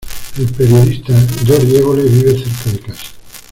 El periodista Jordi Evole vive cerca de casa.